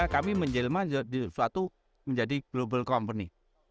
kami menjelma suatu menjadi global company